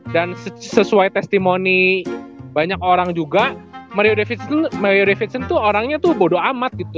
dan sesuai testimoni banyak orang juga mario davidson tuh orangnya tuh bodo amat gitu